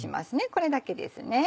これだけですね。